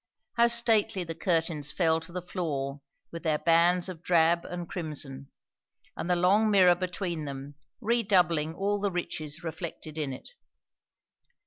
How stately the curtains fell to the floor with their bands of drab and crimson; and the long mirror between them, redoubling all the riches reflected in it.